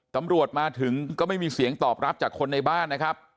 ตำรวจมาถึงก็ไม่มีเสียงตอบรับจากคนในบ้านนะครับ